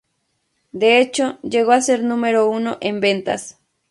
De hecho llegó a ser número uno en ventas.